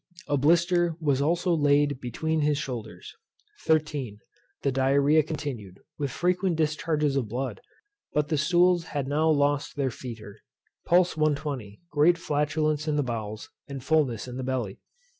A blister was also laid between his shoulders. 13. The Diarrhoea continued, with frequent discharges of blood; but the stools had now lost their foetor. Pulse 120; great flatulence in the bowels, and fulness in the belly.